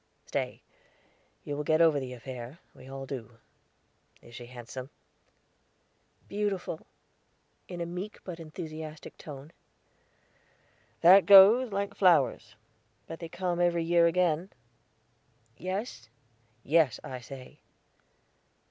Stay. You will get over the affair. We all do. Is she handsome?" "Beautiful," in a meek but enthusiastic tone. "That goes, like the flowers; but they come every year again." "Yes?" "Yes, I say."